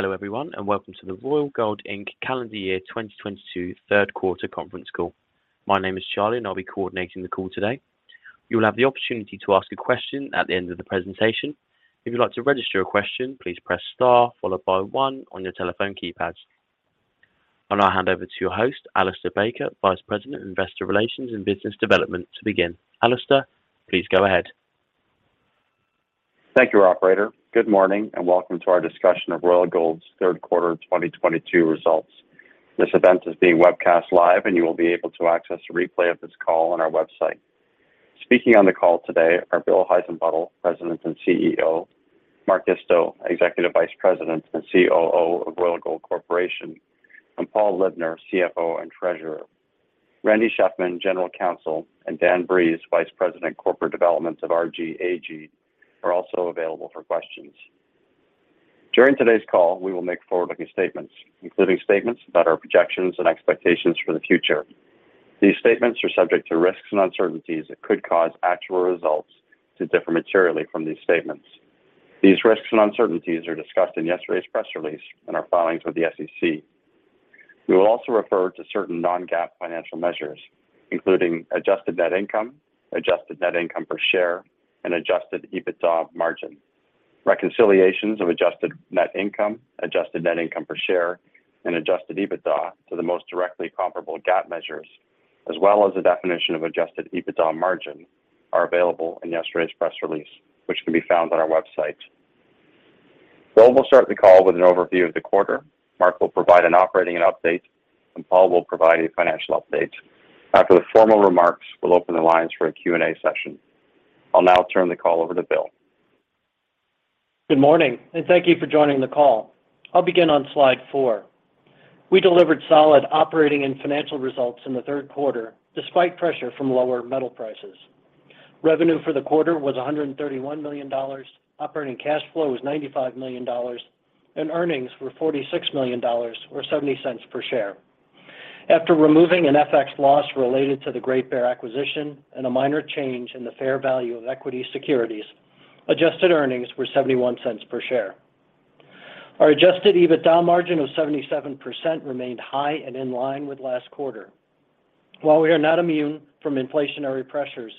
Hello everyone, and welcome to the Royal Gold, Inc. calendar year 2022 third quarter conference call. My name is Charlie, and I'll be coordinating the call today. You will have the opportunity to ask a question at the end of the presentation. If you'd like to register a question, please press Star followed by one on your telephone keypad. I'll now hand over to your host, Alistair Baker, Vice President of Investor Relations and Business Development to begin. Alistair, please go ahead. Thank you, operator. Good morning, and welcome to our discussion of Royal Gold's third quarter 2022 results. This event is being webcast live, and you will be able to access a replay of this call on our website. Speaking on the call today are Bill Heissenbuttel, President and CEO, Mark Isto, Executive Vice President and COO of Royal Gold Corporation, and Paul Libner, CFO and Treasurer. Randy Shefman, General Counsel, and Dan Breeze, Vice President Corporate Development of RGLD Gold AG are also available for questions. During today's call, we will make forward-looking statements, including statements about our projections and expectations for the future. These statements are subject to risks and uncertainties that could cause actual results to differ materially from these statements. These risks and uncertainties are discussed in yesterday's press release and our filings with the SEC. We will also refer to certain non-GAAP financial measures, including adjusted net income, adjusted net income per share, and adjusted EBITDA margin. Reconciliations of adjusted net income, adjusted net income per share, and adjusted EBITDA to the most directly comparable GAAP measures, as well as the definition of adjusted EBITDA margin, are available in yesterday's press release, which can be found on our website. Bill will start the call with an overview of the quarter, Mark will provide an operating update, and Paul will provide a financial update. After the formal remarks, we'll open the lines for a Q&A session. I'll now turn the call over to Bill. Good morning, and thank you for joining the call. I'll begin on slide four. We delivered solid operating and financial results in the third quarter, despite pressure from lower metal prices. Revenue for the quarter was $131 million, operating cash flow was $95 million, and earnings were $46 million or $0.70 per share. After removing an FX loss related to the Great Bear acquisition and a minor change in the fair value of equity securities, adjusted earnings were $0.71 per share. Our Adjusted EBITDA margin of 77% remained high and in line with last quarter. While we are not immune from inflationary pressures,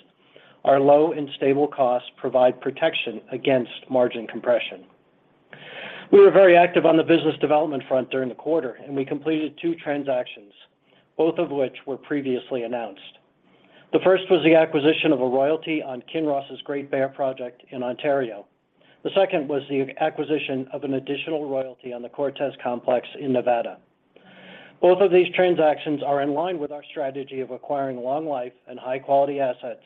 our low and stable costs provide protection against margin compression. We were very active on the business development front during the quarter, and we completed two transactions, both of which were previously announced. The first was the acquisition of a royalty on Kinross's Great Bear project in Ontario. The second was the acquisition of an additional royalty on the Cortez Complex in Nevada. Both of these transactions are in line with our strategy of acquiring long life and high-quality assets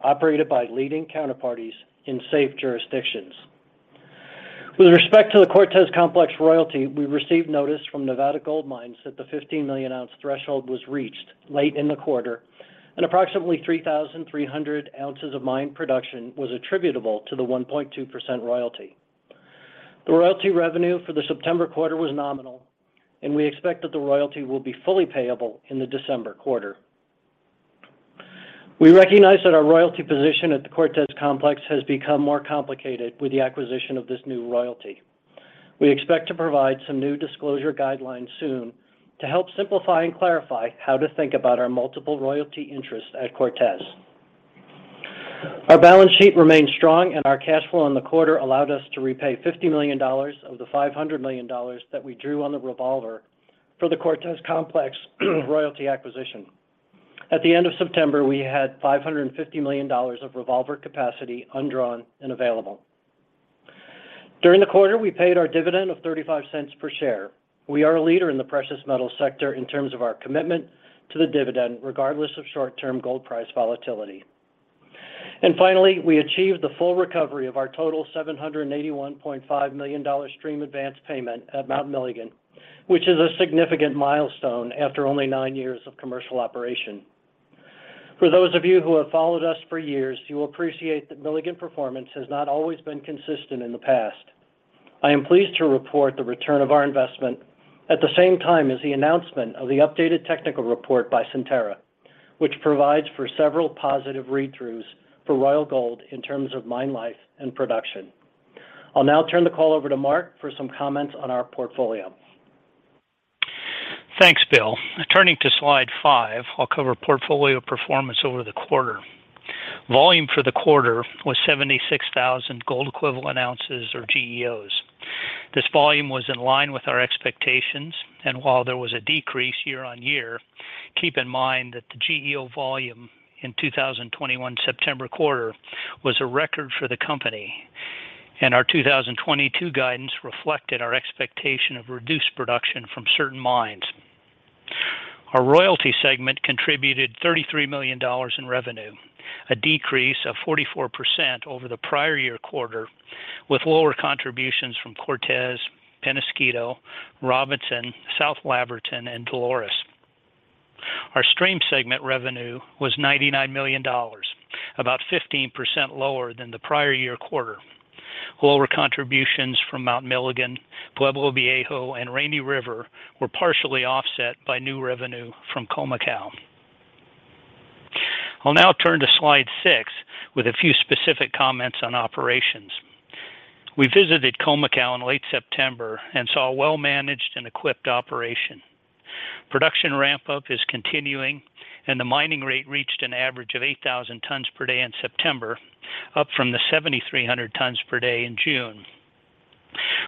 operated by leading counterparties in safe jurisdictions. With respect to the Cortez Complex royalty, we received notice from Nevada Gold Mines that the 15 million ounce threshold was reached late in the quarter, and approximately 3,300 ounces of mined production was attributable to the 1.2% royalty. The royalty revenue for the September quarter was nominal, and we expect that the royalty will be fully payable in the December quarter. We recognize that our royalty position at the Cortez Complex has become more complicated with the acquisition of this new royalty. We expect to provide some new disclosure guidelines soon to help simplify and clarify how to think about our multiple royalty interests at Cortez. Our balance sheet remains strong, and our cash flow in the quarter allowed us to repay $50 million of the $500 million that we drew on the revolver for the Cortez Complex royalty acquisition. At the end of September, we had $550 million of revolver capacity undrawn and available. During the quarter, we paid our dividend of $0.35 per share. We are a leader in the precious metal sector in terms of our commitment to the dividend, regardless of short-term gold price volatility. Finally, we achieved the full recovery of our total $781.5 million stream advance payment at Mount Milligan, which is a significant milestone after only 9 years of commercial operation. For those of you who have followed us for years, you will appreciate that Milligan performance has not always been consistent in the past. I am pleased to report the return of our investment at the same time as the announcement of the updated technical report by Centerra, which provides for several positive read-throughs for Royal Gold in terms of mine life and production. I'll now turn the call over to Mark for some comments on our portfolio. Thanks, Bill. Turning to slide 5, I'll cover portfolio performance over the quarter. Volume for the quarter was 76,000 gold equivalent ounces or GEOs. This volume was in line with our expectations, and while there was a decrease year-on-year, keep in mind that the GEO volume in 2021 September quarter was a record for the company, and our 2022 guidance reflected our expectation of reduced production from certain mines. Our royalty segment contributed $33 million in revenue, a decrease of 44% over the prior year quarter, with lower contributions from Cortez, Peñasquito, Robinson, South Laverton, and Dolores. Our stream segment revenue was $99 million, about 15% lower than the prior year quarter. Lower contributions from Mount Milligan, Pueblo Viejo, and Rainy River were partially offset by new revenue from Konkola. I'll now turn to slide six with a few specific comments on operations. We visited Konkola in late September and saw a well-managed and equipped operation. Production ramp-up is continuing, and the mining rate reached an average of 8,000 tons per day in September, up from the 7,300 tons per day in June.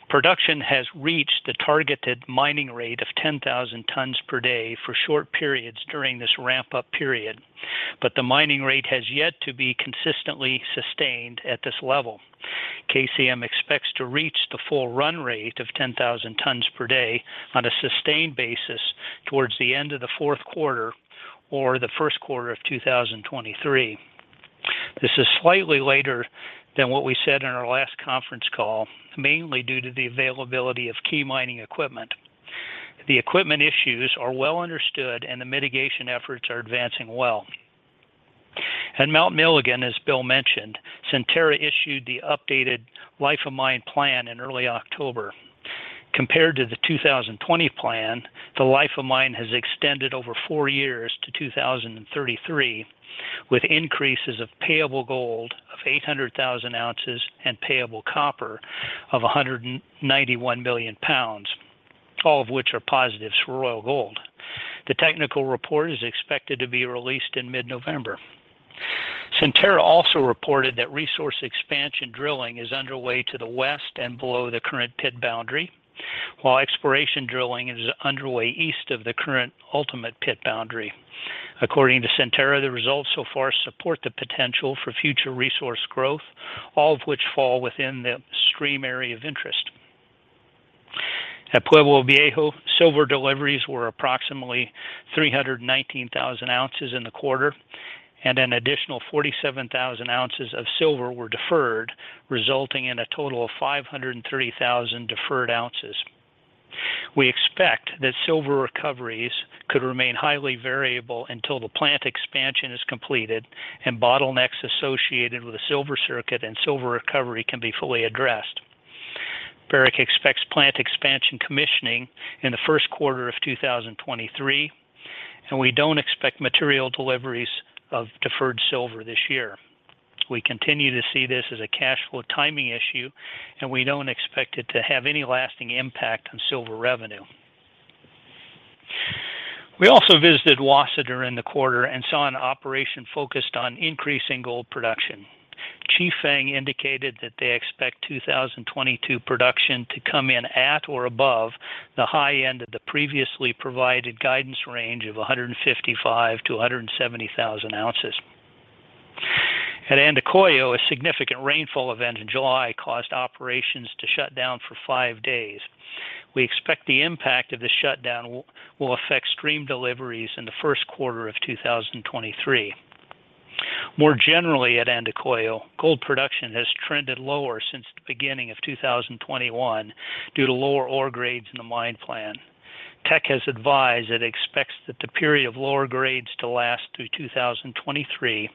Production has reached the targeted mining rate of 10,000 tons per day for short periods during this ramp-up period, but the mining rate has yet to be consistently sustained at this level. KCM expects to reach the full run rate of 10,000 tons per day on a sustained basis towards the end of the fourth quarter or the first quarter of 2023. This is slightly later than what we said in our last conference call, mainly due to the availability of key mining equipment. The equipment issues are well understood and the mitigation efforts are advancing well. At Mount Milligan, as Bill mentioned, Centerra issued the updated life of mine plan in early October. Compared to the 2020 plan, the life of mine has extended over four years to 2033, with increases of payable gold of 800,000 ounces and payable copper of 191 million pounds, all of which are positives for Royal Gold. The technical report is expected to be released in mid-November. Centerra also reported that resource expansion drilling is underway to the west and below the current pit boundary, while exploration drilling is underway east of the current ultimate pit boundary. According to Centerra, the results so far support the potential for future resource growth, all of which fall within the stream area of interest. At Pueblo Viejo, silver deliveries were approximately 319,000 ounces in the quarter, and an additional 47,000 ounces of silver were deferred, resulting in a total of 530,000 deferred ounces. We expect that silver recoveries could remain highly variable until the plant expansion is completed and bottlenecks associated with a silver circuit and silver recovery can be fully addressed. Barrick expects plant expansion commissioning in the first quarter of 2023, and we don't expect material deliveries of deferred silver this year. We continue to see this as a cash flow timing issue, and we don't expect it to have any lasting impact on silver revenue. We also visited Wassa in the quarter and saw an operation focused on increasing gold production. Chifeng indicated that they expect 2022 production to come in at or above the high end of the previously provided guidance range of 155,000-170,000 ounces. At Andacollo, a significant rainfall event in July caused operations to shut down for 5 days. We expect the impact of this shutdown will affect stream deliveries in the first quarter of 2023. More generally at Andacollo, gold production has trended lower since the beginning of 2021 due to lower ore grades in the mine plan. Teck has advised it expects that the period of lower grades to last through 2023,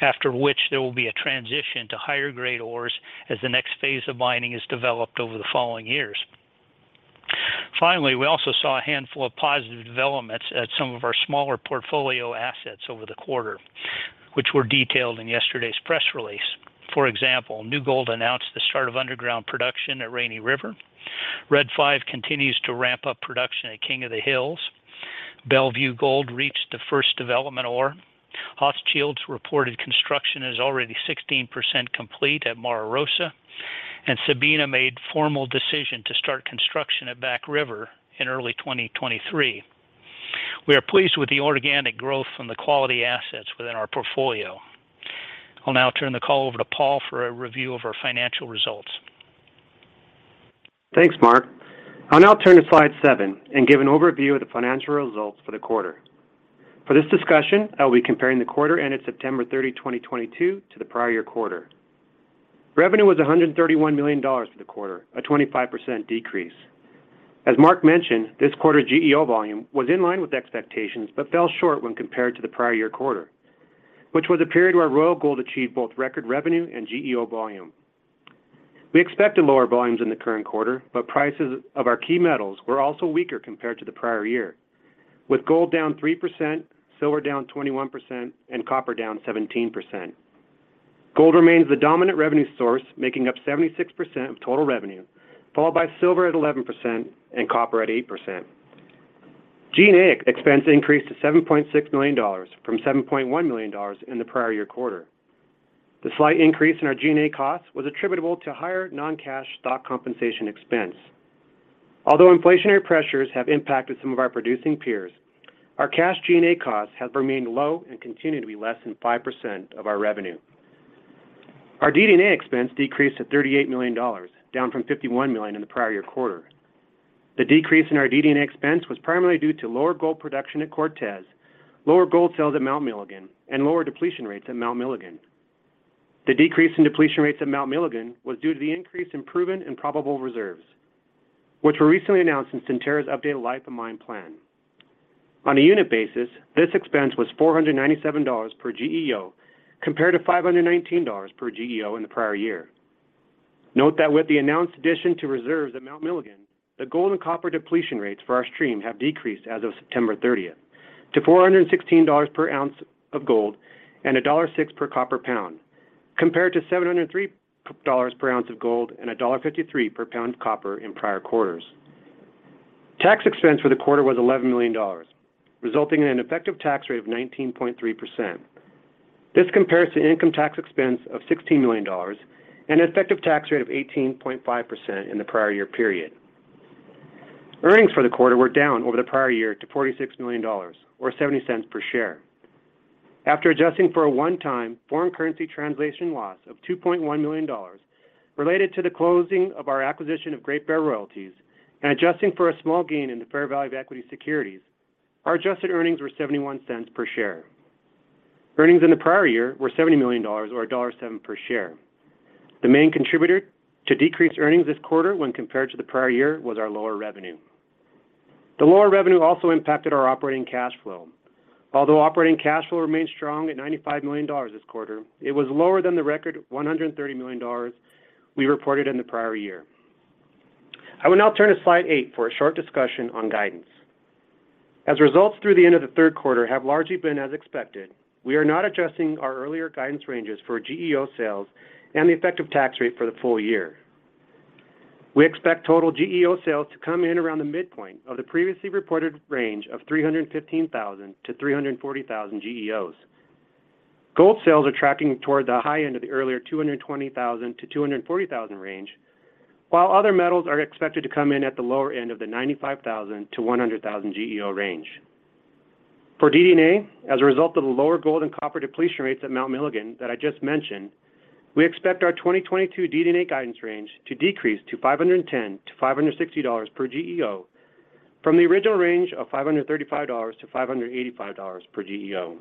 after which there will be a transition to higher grade ores as the next phase of mining is developed over the following years. Finally, we also saw a handful of positive developments at some of our smaller portfolio assets over the quarter, which were detailed in yesterday's press release. For example, New Gold announced the start of underground production at Rainy River. Red 5 continues to ramp up production at King of the Hills. Bellevue Gold reached the first development ore. Hochschild reported construction is already 16% complete at Mara Rosa, and Sabina made formal decision to start construction at Back River in early 2023. We are pleased with the organic growth from the quality assets within our portfolio. I'll now turn the call over to Paul for a review of our financial results. Thanks, Mark. I'll now turn to slide seven and give an overview of the financial results for the quarter. For this discussion, I'll be comparing the quarter ended September 30, 2022 to the prior year quarter. Revenue was $131 million for the quarter, a 25% decrease. As Mark mentioned, this quarter GEO volume was in line with expectations but fell short when compared to the prior year quarter, which was a period where Royal Gold achieved both record revenue and GEO volume. We expected lower volumes in the current quarter, but prices of our key metals were also weaker compared to the prior year, with gold down 3%, silver down 21%, and copper down 17%. Gold remains the dominant revenue source, making up 76% of total revenue, followed by silver at 11% and copper at 8%. G&A expense increased to $7.6 million from $7.1 million in the prior year quarter. The slight increase in our G&A costs was attributable to higher non-cash stock compensation expense. Although inflationary pressures have impacted some of our producing peers, our cash G&A costs have remained low and continue to be less than 5% of our revenue. Our DD&A expense decreased to $38 million, down from $51 million in the prior year quarter. The decrease in our DD&A expense was primarily due to lower gold production at Cortez, lower gold sales at Mount Milligan, and lower depletion rates at Mount Milligan. The decrease in depletion rates at Mount Milligan was due to the increase in proven and probable reserves, which were recently announced in Centerra's updated life of mine plan. On a unit basis, this expense was $497 per GEO, compared to $519 per GEO in the prior year. Note that with the announced addition to reserves at Mount Milligan, the gold and copper depletion rates for our stream have decreased as of September 30 to $416 per ounce of gold and $1.06 per pound of copper, compared to $703 per ounce of gold and $1.53 per pound of copper in prior quarters. Tax expense for the quarter was $11 million, resulting in an effective tax rate of 19.3%. This compares to income tax expense of $16 million and an effective tax rate of 18.5% in the prior year period. Earnings for the quarter were down over the prior year to $46 million or $0.70 per share. After adjusting for a one-time foreign currency translation loss of $2.1 million related to the closing of our acquisition of Great Bear royalties and adjusting for a small gain in the fair value of equity securities, our adjusted earnings were $0.71 per share. Earnings in the prior year were $70 million or $1.07 per share. The main contributor to decreased earnings this quarter when compared to the prior year was our lower revenue. The lower revenue also impacted our operating cash flow. Although operating cash flow remained strong at $95 million this quarter, it was lower than the record $130 million we reported in the prior year. I will now turn to slide eight for a short discussion on guidance. As results through the end of the third quarter have largely been as expected, we are not adjusting our earlier guidance ranges for GEO sales and the effective tax rate for the full year. We expect total GEO sales to come in around the midpoint of the previously reported range of 315,000-340,000 GEOs. Gold sales are tracking toward the high end of the earlier 220,000-240,000 range, while other metals are expected to come in at the lower end of the 95,000-100,000 GEO range. For DD&A, as a result of the lower gold and copper depletion rates at Mount Milligan that I just mentioned, we expect our 2022 DD&A guidance range to decrease to $510-$560 per GEO from the original range of $535-$585 per GEO.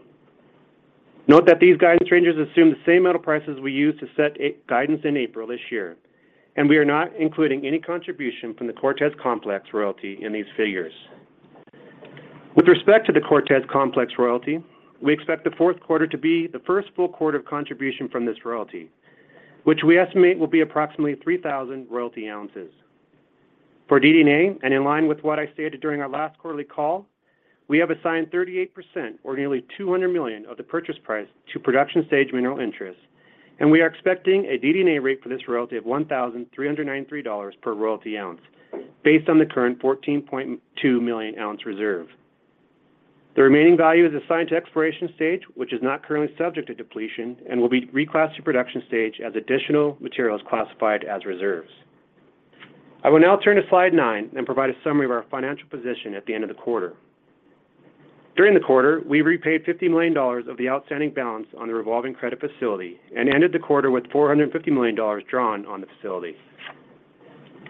Note that these guidance ranges assume the same metal prices we used to set a guidance in April this year, and we are not including any contribution from the Cortez complex royalty in these figures. With respect to the Cortez complex royalty, we expect the fourth quarter to be the first full quarter of contribution from this royalty, which we estimate will be approximately 3,000 royalty ounces. For DD&A, in line with what I stated during our last quarterly call, we have assigned 38% or nearly $200 million of the purchase price to production stage mineral interests, and we are expecting a DD&A rate for this royalty of $1,393 per royalty ounce based on the current 14.2 million ounce reserve. The remaining value is assigned to exploration stage, which is not currently subject to depletion and will be reclassified to production stage as additional material is classified as reserves. I will now turn to slide 9 and provide a summary of our financial position at the end of the quarter. During the quarter, we repaid $50 million of the outstanding balance on the revolving credit facility and ended the quarter with $450 million drawn on the facility.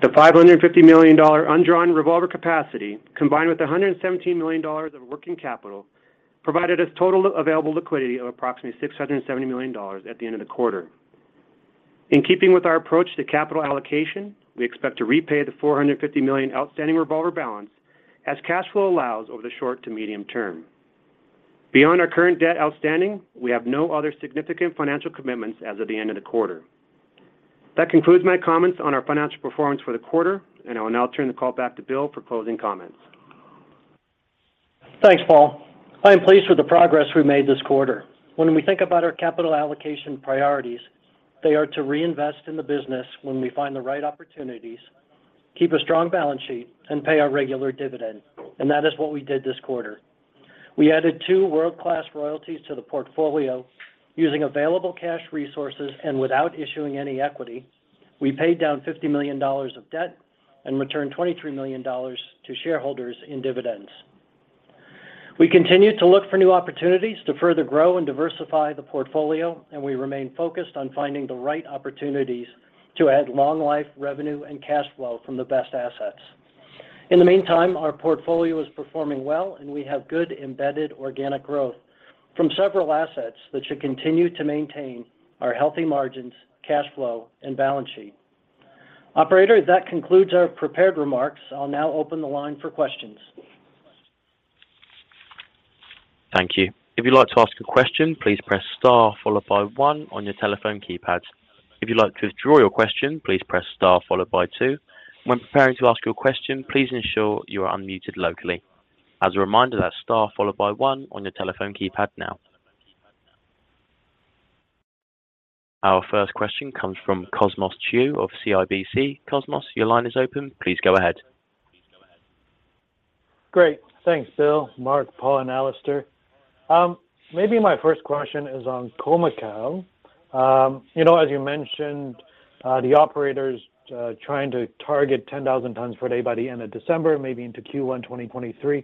The $550 million undrawn revolver capacity, combined with $117 million of working capital, provided us total available liquidity of approximately $670 million at the end of the quarter. In keeping with our approach to capital allocation, we expect to repay the $450 million outstanding revolver balance as cash flow allows over the short to medium term. Beyond our current debt outstanding, we have no other significant financial commitments as of the end of the quarter. That concludes my comments on our financial performance for the quarter, and I will now turn the call back to Bill for closing comments. Thanks, Paul. I am pleased with the progress we made this quarter. When we think about our capital allocation priorities, they are to reinvest in the business when we find the right opportunities, keep a strong balance sheet, and pay our regular dividend, and that is what we did this quarter. We added two world-class royalties to the portfolio using available cash resources and without issuing any equity. We paid down $50 million of debt and returned $23 million to shareholders in dividends. We continue to look for new opportunities to further grow and diversify the portfolio, and we remain focused on finding the right opportunities to add long life, revenue, and cash flow from the best assets. In the meantime, our portfolio is performing well, and we have good embedded organic growth from several assets that should continue to maintain our healthy margins, cash flow, and balance sheet. Operator, that concludes our prepared remarks. I'll now open the line for questions. Thank you. If you'd like to ask a question, please press star followed by one on your telephone keypad. If you'd like to withdraw your question, please press star followed by two. When preparing to ask your question, please ensure you are unmuted locally. As a reminder, that's star followed by one on your telephone keypad now. Our first question comes from Cosmos Chiu of CIBC. Cosmos, your line is open. Please go ahead. Great. Thanks, Bill, Mark, Paul, and Alistair. Maybe my first question is on KCM. You know, as you mentioned, the operators trying to target 10,000 tons per day by the end of December, maybe into Q1 2023.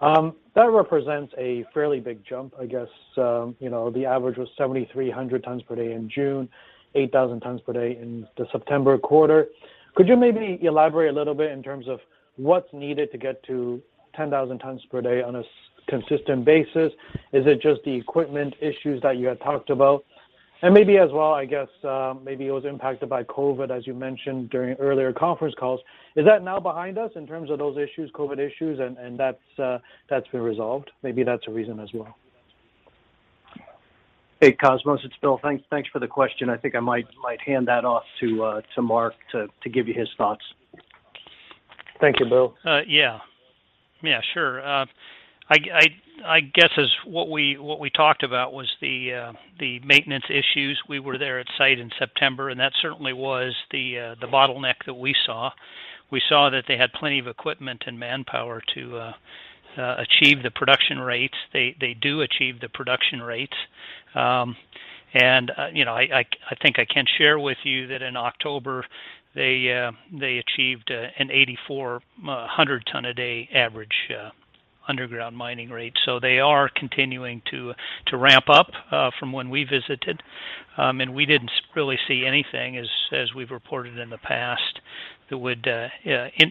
That represents a fairly big jump. I guess, you know, the average was 7,300 tons per day in June, 8,000 tons per day in the September quarter. Could you maybe elaborate a little bit in terms of what's needed to get to 10,000 tons per day on a consistent basis? Is it just the equipment issues that you had talked about? Maybe as well, I guess, maybe it was impacted by COVID, as you mentioned during earlier conference calls. Is that now behind us in terms of those issues, COVID issues, and that's been resolved? Maybe that's a reason as well. Hey, Cosmos, it's Bill. Thanks for the question. I think I might hand that off to Mark to give you his thoughts. Thank you, Bill. Yeah. Yeah, sure. I guess as what we talked about was the maintenance issues. We were there at site in September, and that certainly was the bottleneck that we saw. We saw that they had plenty of equipment and manpower to achieve the production rates. They do achieve the production rates. You know, I think I can share with you that in October, they achieved an 8,400 ton a day average underground mining rate. They are continuing to ramp up from when we visited. We didn't really see anything as we've reported in the past that would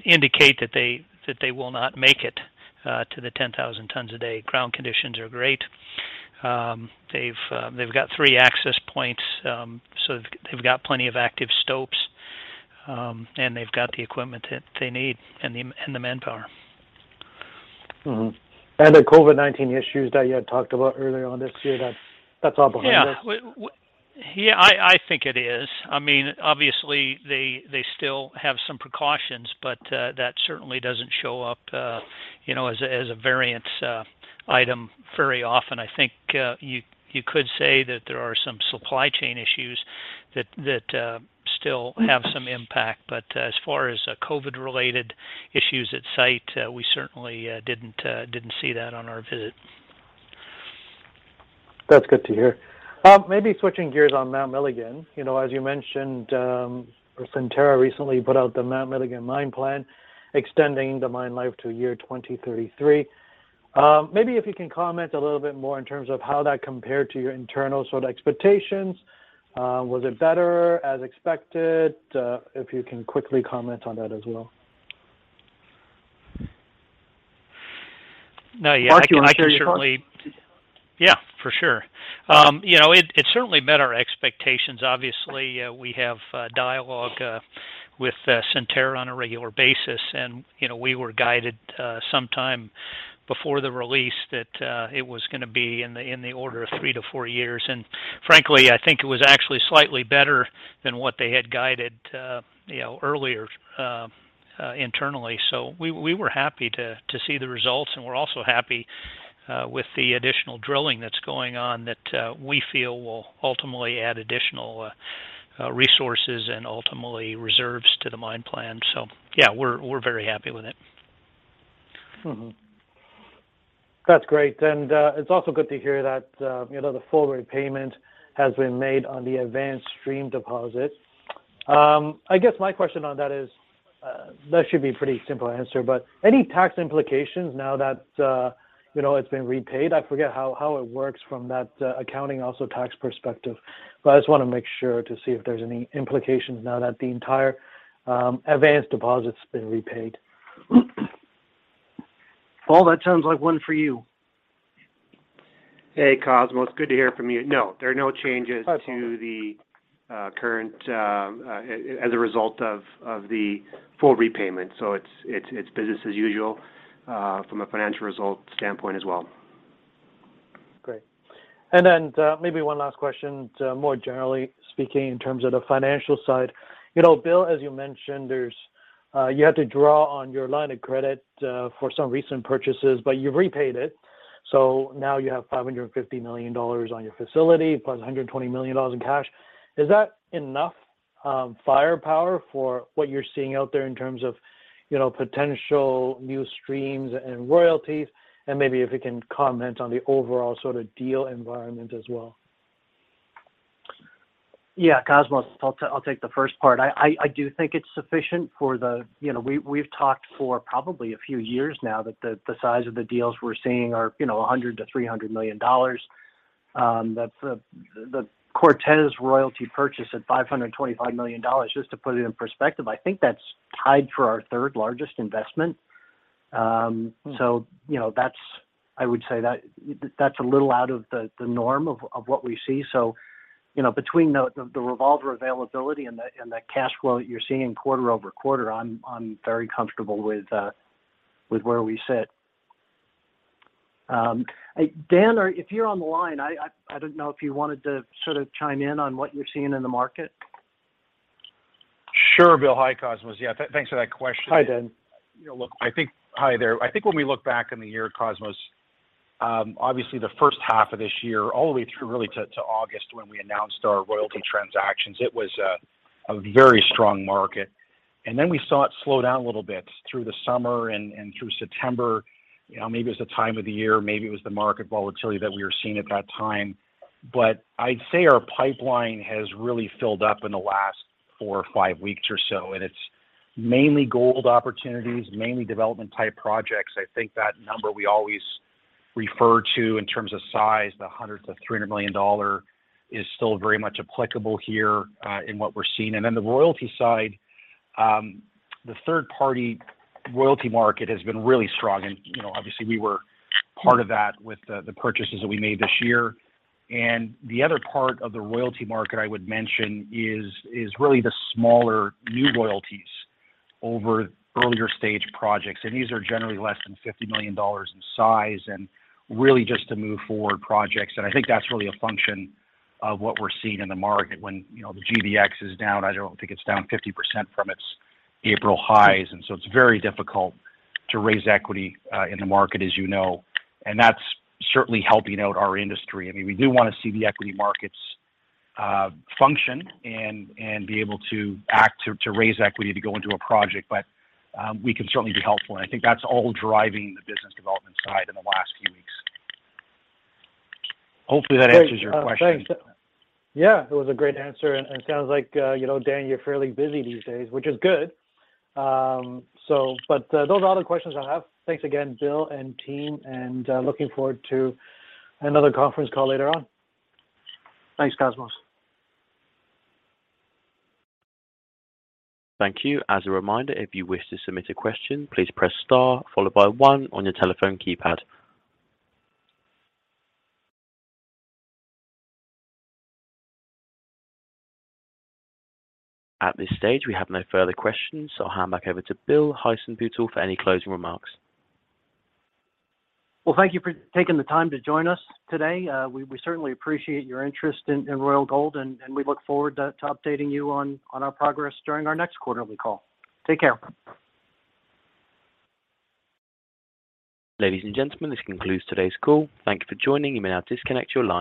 indicate that they will not make it to the 10,000 tons a day. Ground conditions are great. They've got three access points, so they've got plenty of active stopes, and they've got the equipment that they need and the manpower. The COVID-19 issues that you had talked about earlier on this year, that's all behind us? Yeah. Yeah, I think it is. I mean, obviously they still have some precautions, but that certainly doesn't show up, you know, as a variance item very often. I think you could say that there are some supply chain issues that still have some impact. As far as COVID-related issues at site, we certainly didn't see that on our visit. That's good to hear. Maybe switching gears on Mount Milligan. You know, as you mentioned, Centerra recently put out the Mount Milligan mine plan, extending the mine life to year 2033. Maybe if you can comment a little bit more in terms of how that compared to your internal sort of expectations. Was it better as expected? If you can quickly comment on that as well. No, yeah, I can certainly. Mark, you want to take this one? Yeah, for sure. You know, it certainly met our expectations. Obviously, we have dialogue with Centerra on a regular basis and, you know, we were guided sometime before the release that it was gonna be in the order of three to four years. Frankly, I think it was actually slightly better than what they had guided, you know, earlier internally. We were happy to see the results, and we're also happy with the additional drilling that's going on that we feel will ultimately add additional resources and ultimately reserves to the mine plan. Yeah, we're very happy with it. That's great. It's also good to hear that, you know, the full repayment has been made on the advanced stream deposit. I guess my question on that is that should be pretty simple to answer, but any tax implications now that, you know, it's been repaid? I forget how it works from that accounting and tax perspective, but I just wanna make sure to see if there's any implications now that the entire advanced deposit's been repaid. Paul, that sounds like one for you. Hey, Cosmos, good to hear from you. No, there are no changes. That's all. To the current as a result of the full repayment, so it's business as usual from a financial result standpoint as well. Great. Maybe one last question, more generally speaking in terms of the financial side. You know, Bill, as you mentioned, there's, you had to draw on your line of credit, for some recent purchases, but you've repaid it. Now you have $550 million on your facility, plus $120 million in cash. Is that enough, firepower for what you're seeing out there in terms of, you know, potential new streams and royalties? Maybe if you can comment on the overall sort of deal environment as well. Yeah, Cosmos, I'll take the first part. I do think it's sufficient for the, you know, we've talked for probably a few years now that the size of the deals we're seeing are, you know, $100-$300 million. The Cortez Royalty purchase at $525 million, just to put it in perspective, I think that's tied for our third largest investment. You know, that's, I would say that's a little out of the norm of what we see. You know, between the revolver availability and the cash flow that you're seeing quarter-over-quarter, I'm very comfortable with where we sit. Dan, if you're on the line, I didn't know if you wanted to sort of chime in on what you're seeing in the market. Sure, Bill. Hi, Cosmos. Yeah, thanks for that question. Hi, Dan. You know, look, I think. Hi there. I think when we look back on the year, Cosmos, obviously the first half of this year, all the way through really to August when we announced our royalty transactions, it was a very strong market. Then we saw it slow down a little bit through the summer and through September. You know, maybe it was the time of the year, maybe it was the market volatility that we were seeing at that time. But I'd say our pipeline has really filled up in the last four or five weeks or so, and it's mainly gold opportunities, mainly development-type projects. I think that number we always refer to in terms of size, the $100-$300 million, is still very much applicable here, in what we're seeing. Then the royalty side, the third-party royalty market has been really strong and, you know, obviously we were part of that with the purchases that we made this year. The other part of the royalty market I would mention is really the smaller new royalties over earlier stage projects. These are generally less than $50 million in size and really just to move forward projects. I think that's really a function of what we're seeing in the market when, you know, the GDX is down, I don't know, I think it's down 50% from its April highs, and so it's very difficult to raise equity in the market as you know. That's certainly helping out our industry. I mean, we do wanna see the equity markets function and be able to act to raise equity to go into a project. We can certainly be helpful, and I think that's all driving the business development side in the last few weeks. Hopefully that answers your question. Great. Thanks. Yeah, it was a great answer, and it sounds like you know, Dan, you're fairly busy these days, which is good. Those are all the questions I have. Thanks again, Bill and team, and looking forward to another conference call later on. Thanks, Cosmos. Thank you. As a reminder, if you wish to submit a question, please press Star followed by one on your telephone keypad. At this stage, we have no further questions, so I'll hand back over to Bill Heissenbuttel for any closing remarks. Well, thank you for taking the time to join us today. We certainly appreciate your interest in Royal Gold, and we look forward to updating you on our progress during our next quarterly call. Take care. Ladies and gentlemen, this concludes today's call. Thank you for joining. You may now disconnect your line.